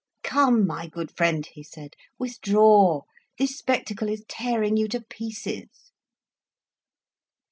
"Come, my good friend," he said, "withdraw; this spectacle is tearing you to pieces."